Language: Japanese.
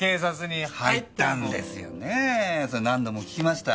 それ何度も聞きました。